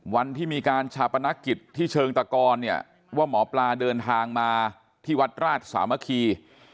วันที่มีการชาปนกิจที่เชิงตะกรเนี่ยว่าหมอปลาเดินทางมาที่วัดราชสามัคคี